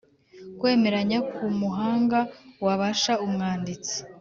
kwemeranya ku muhanga wabafasha umwanditsi